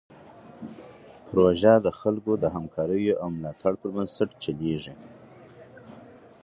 پروژه د خلکو د همکاریو او ملاتړ پر بنسټ چلیږي.